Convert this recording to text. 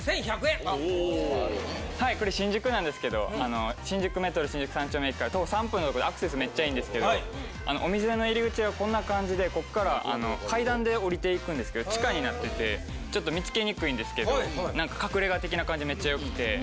はいこれ新宿なんですけど新宿メトロ新宿三丁目駅から徒歩３分のとこでアクセスめっちゃいいんですけどお店の入り口はこんな感じでこっから階段で降りて行くんですけど地下になっててちょっと見つけにくいんですけど何か隠れ家的な感じでめっちゃ良くて。